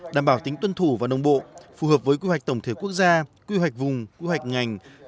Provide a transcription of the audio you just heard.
đảm bảo tính tuân thủ và nông bộ phù hợp với quy hoạch tổng thể quốc gia quy hoạch vùng quy hoạch ngành